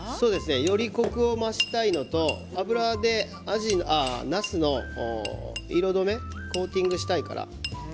よりコクを増したいのと油でなすの色止めコーティングをしたいから。